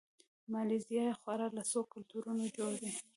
د مالیزیا خواړه له څو کلتورونو جوړ دي.